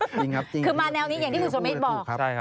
จริงครับคือมาแนวนี้อย่างที่คุณสุเมฆบอก